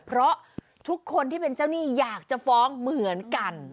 เพราะทุกคนที่เป็นเจ้าหนี้อยากจะฟ้องเหมือนกัน